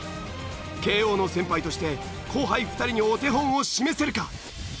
慶應の先輩として後輩２人にお手本を示せるか？